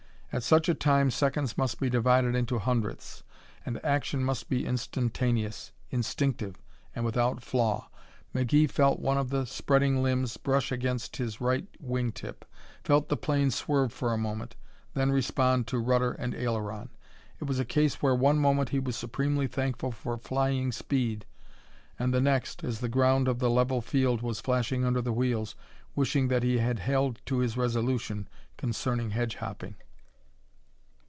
At such a time seconds must be divided into hundredths, and action must be instantaneous, instinctive, and without flaw. McGee felt one of the spreading limbs brush against his right wing tip, felt the plane swerve for a moment, then respond to rudder and aileron. It was a case where one moment he was supremely thankful for flying speed, and the next, as the ground of the level field was flashing under the wheels, wishing that he had held to his resolution concerning hedge hopping.